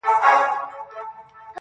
خو ستا د وصل په ارمان باندي تيريږي ژوند~